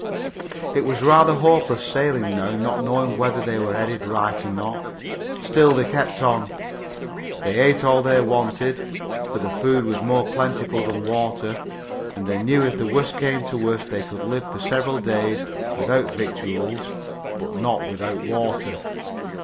It was rather hopeless sailing now, not knowing whether they were headed right or not. Still they kept on. They ate all they wanted, for the food was more plentiful than water, and they knew if worst came to worst they could live for several days without victuals, but not without water.